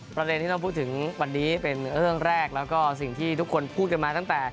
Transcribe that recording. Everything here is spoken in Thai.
ประเด็นที่ต้องพูดถึงวันนี้เป็นเรื่องแรกแล้วก็สิ่งที่ทุกคนพูดกันมาตั้งแต่